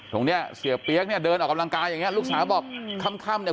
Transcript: ตรงเนี้ยเสียเปี๊ยกเนี่ยเดินออกกำลังกายอย่างเงี้ลูกสาวบอกค่ำเนี่ย